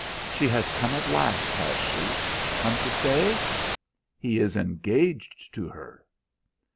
"She has come at last, has she? Come to stay?" "He is engaged to her."